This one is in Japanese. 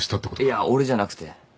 いや俺じゃなくて。